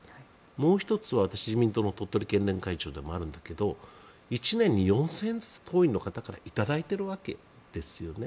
もう１つは私、自民党の鳥取県連会長でもあるんだけど１年に４０００円ずつ党員の方から頂いているわけですよね。